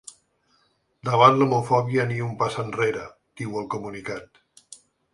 Davant l’homofòbia ni un pas enrere, diu el comunicat.